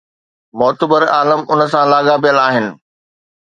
معتبر عالم ان سان لاڳاپيل آهن.